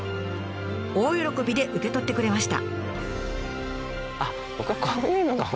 大喜びで受け取ってくれました。